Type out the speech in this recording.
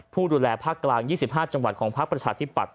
ผู้ดูแลภพกลาง๒๕จังหวัดของพลักษณภ์ประชาชนทิบปรัตถ์